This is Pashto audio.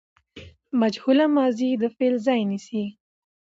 مجهوله ماضي د فاعل ځای نیسي.